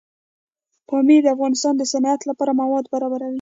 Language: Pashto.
پامیر د افغانستان د صنعت لپاره مواد برابروي.